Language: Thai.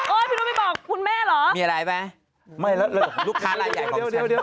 โอ๊ยพี่นุ่มไม่บอกคุณแม่เหรอมีอะไรไหมลูกค้าไล่ใหญ่ของฉันเดี๋ยว